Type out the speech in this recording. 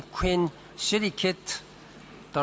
คุณพระเจ้า